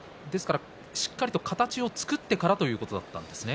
しっかりと形を作ってからということになりますね。